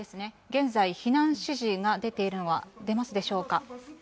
現在、避難指示が出ているのが、出ますでしょうか。